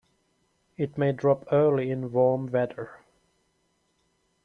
It may drop early in warm weather.